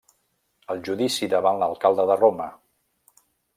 El judici davant l'alcalde de Roma.